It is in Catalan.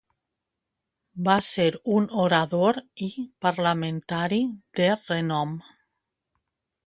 Va ser un orador i parlamentari de renom.